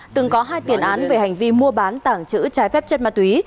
từng có hai tiền án về hành vi mua bán tảng chữ trái phép chất ma túy